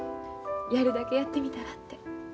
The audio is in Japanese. やるだけやってみたらて。